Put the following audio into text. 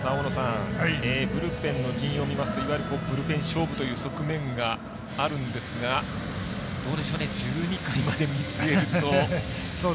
ブルペンの陣容を見ますといわゆるブルペン勝負という側面があるんですがどうでしょう１２回まで見据えると。